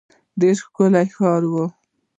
ډېر ښکلی ښار وو.